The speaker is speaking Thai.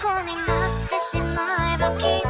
วันนี้สดลูกพี่